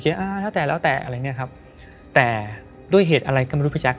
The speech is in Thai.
อ่าแล้วแต่แล้วแต่อะไรอย่างเงี้ยครับแต่ด้วยเหตุอะไรก็ไม่รู้พี่แจ๊